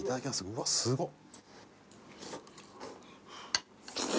うわっすごっ！